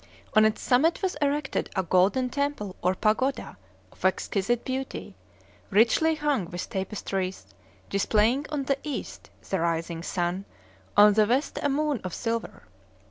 On its summit was erected a golden temple or pagoda of exquisite beauty, richly hung with tapestries, displaying on the east the rising sun, on the west a moon of silver.